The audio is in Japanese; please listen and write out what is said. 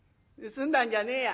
「盗んだんじゃねえや。